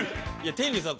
天龍さん